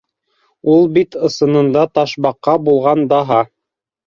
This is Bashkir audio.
—Ул бит ысынында Ташбаҡа булған даһа.